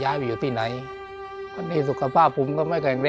และกับผู้จัดการที่เขาเป็นดูเรียนหนังสือ